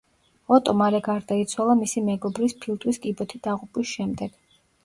ოტო მალე გარდაიცვალა მისი მეგობრის ფილტვის კიბოთი დაღუპვის შემდეგ.